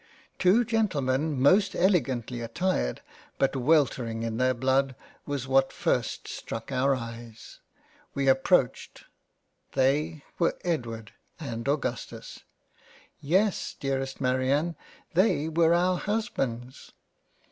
Two Gentlemen most elegantly attired but weltering in their blood was what first struck our Eyes — we approached — they were Edward and Augustus —. Yes dearest Marianne they were our Husbands.